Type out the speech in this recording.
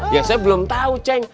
ya saya belum tahu ceng